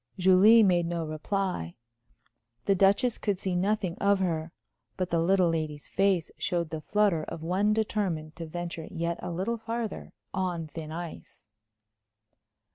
Julie made no reply. The Duchess could see nothing of her. But the little lady's face showed the flutter of one determined to venture yet a little farther on thin ice.